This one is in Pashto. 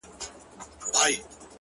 مړ مه سې _ د بل ژوند د باب وخت ته _